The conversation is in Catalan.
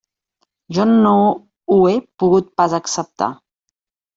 Jo no ho he pogut pas acceptar.